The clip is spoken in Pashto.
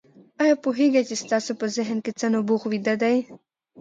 آيا پوهېږئ چې ستاسې په ذهن کې څه نبوغ ويده دی؟